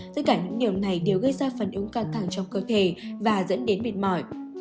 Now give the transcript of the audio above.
tất cả những điều này đều gây ra phản ứng căng thẳng trong cơ thể và dẫn đến mệt mỏi